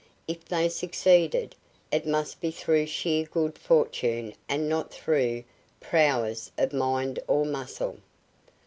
If they succeeded, it must be through sheer good fortune and not through prowess of mind or muscle.